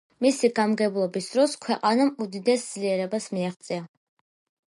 მისი გამგებლობის დროს ქვეყანამ უდიდეს ძლიერებას მიაღწია.